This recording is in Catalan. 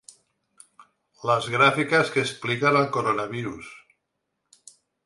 Les gràfiques que expliquen el coronavirus.